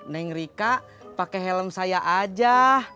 neng rika pakai helm saya aja